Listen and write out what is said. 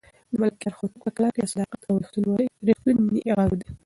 د ملکیار هوتک په کلام کې د صداقت او رښتونې مینې غږ دی.